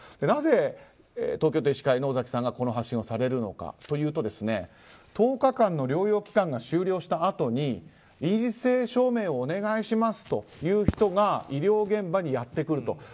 なぜ、東京都医師会の尾崎さんがこの発信をされるのかというと１０日間の療養期間が終了したあとに陰性証明をお願いしますという人が医療現場にやってくると。